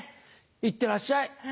いってらっしゃい！